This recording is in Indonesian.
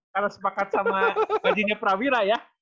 karena sepakat sama gajinya prawira ya